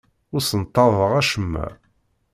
Ur ssenṭaḍeɣ acemma.